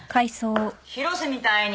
広瀬みたいに。